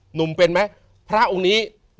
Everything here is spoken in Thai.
หนุ่มเป็นไหมพระองค์นี้